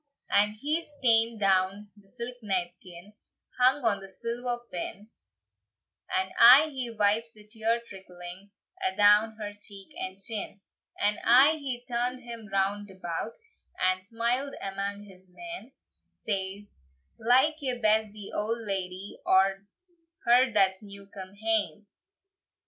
And he's taen down the silk napkin, Hung on a silver pin, And aye he wipes the tear trickling A'down her cheek and chin. And aye he turn'd him round about, And smiled amang his men; Says, "Like ye best the old ladye, Or her that's new come hame?"